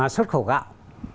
xuất khẩu gạo